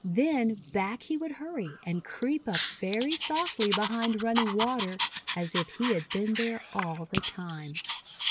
Then back he would hurry, and creep up very softly behind Running Water as if he had been there all the time.